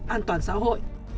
an toàn xã hội